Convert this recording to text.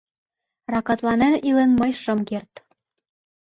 Ракатланен илен мый шым керт.